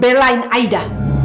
dia membelain aida